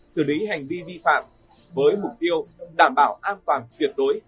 xử lý hành vi vi phạm với mục tiêu đảm bảo an toàn tuyệt đối